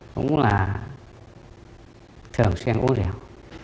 cũng là thường xuyên uống rượu